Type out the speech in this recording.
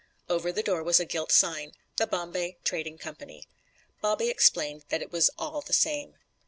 Over the door was a gilt sign, "The Bombay Trading Co." Bobby explained that it was all the same.